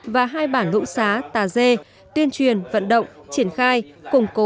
và hai bản đồng